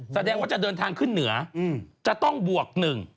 แสดงว่าจะเดินทางขึ้นเหนือจะต้องบวก๑